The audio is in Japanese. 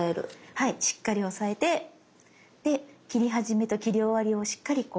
はいしっかり押さえてで切り始めと切り終わりをしっかりこう。